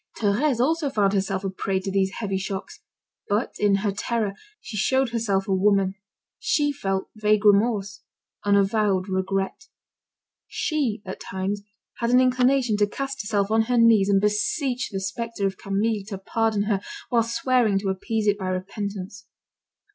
Thérèse also found herself a prey to these heavy shocks. But, in her terror, she showed herself a woman: she felt vague remorse, unavowed regret. She, at times, had an inclination to cast herself on her knees and beseech the spectre of Camille to pardon her, while swearing to appease it by repentance.